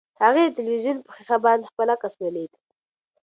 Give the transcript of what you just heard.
هغې د تلویزیون په ښیښه باندې خپل عکس ولید.